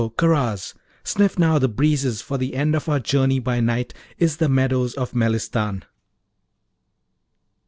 Karaz! Sniff now the breezes, for the end of our journey by night is the meadows of Melistan.